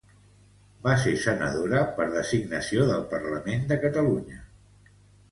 Va ser senadora per designació del Parlament de Catalunya.